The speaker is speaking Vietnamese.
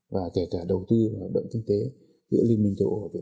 là hai đất nước khác nhau